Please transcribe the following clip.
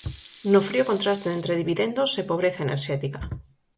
No frío contraste entre dividendos e pobreza enerxética.